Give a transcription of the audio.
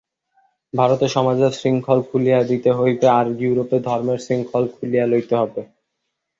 ভারতে সমাজের শৃঙ্খল খুলিয়া দিতে হইবে, আর ইউরোপে ধর্মের শৃঙ্খল খুলিয়া লইতে হইবে।